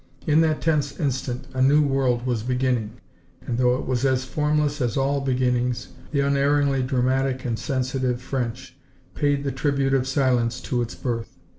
In that tense instant a new world was beginning, and though it was as formless as all beginnings, the unerringly dramatic and sensitive French paid the tribute of silence to its birth.